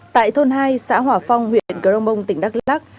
tại thôn hai xã hòa phong huyện cờ rông bông tỉnh đắk lắc